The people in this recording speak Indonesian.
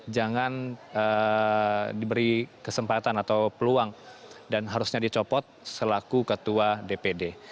jangan diberi kesempatan atau peluang dan harusnya dicopot selaku ketua dpd